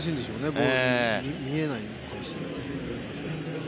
ボールが見えないかもしれないですね。